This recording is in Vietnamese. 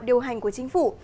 điều hành của chính phủ